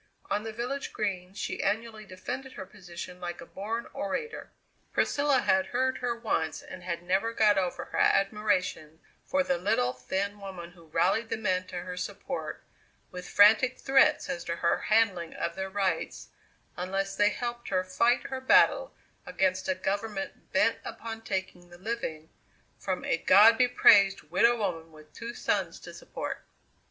On the village Green she annually defended her position like a born orator. Priscilla had heard her once and had never got over her admiration for the little, thin woman who rallied the men to her support with frantic threats as to her handling of their rights unless they helped her fight her battle against a government bent upon taking the living from a "God be praised widow woman with two sons to support."